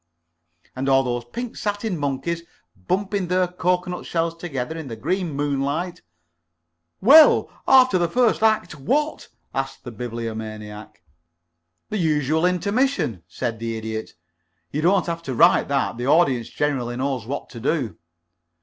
"And all those pink satin monkeys bumping their cocoanut shells together in the green moonlight " "Well, after the first act, what?" asked the Bibliomaniac. "The usual intermission," said the Idiot. "You don't have to write that. The audience generally knows what to do."